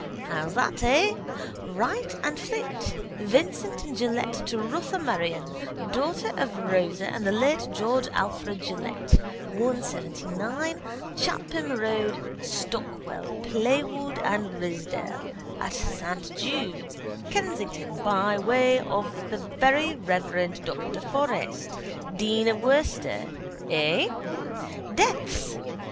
How's that, eh? Wright and Flint, Vincent and Gillett to Rotha Marion daughter of Rosa and the late George Alfred Gillett, 179 Clapham road, Stockwell, Playwood and Ridsdale at Saint Jude's, Kensington by the very reverend Dr Forrest, dean of Worcester. Eh? Deaths.